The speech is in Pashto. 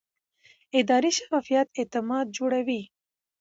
اداري شفافیت اعتماد جوړوي